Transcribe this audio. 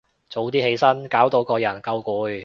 早啲起身，搞到個人夠攰